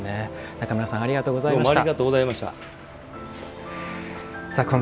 中村さんありがとうございました。